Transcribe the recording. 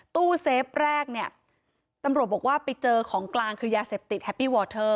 ตู้เซฟแรกเนี่ยตำรวจบอกว่าไปเจอของกลางคือยาเสพติดแฮปปี้วอเทอร์